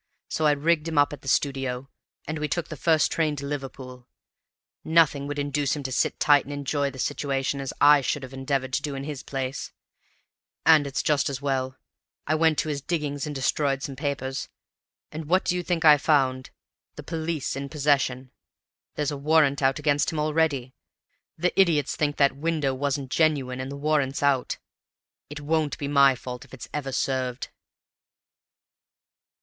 So I rigged him up at the studio, and we took the first train to Liverpool. Nothing would induce him to sit tight and enjoy the situation as I should have endeavored to do in his place; and it's just as well! I went to his diggings to destroy some papers, and what do you think I found. The police in possession; there's a warrant out against him already! The idiots think that window wasn't genuine, and the warrant's out. It won't be my fault if it's ever served!"